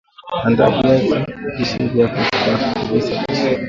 Andaa viazi lishe vyako kwa kuvisafisha